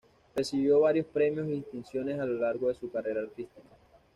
Recibió varios premios y distinciones a lo largo de su carrera artística.